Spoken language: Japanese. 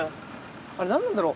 あれ何なんだろう。